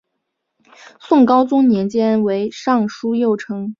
宋高宗年间为尚书右丞。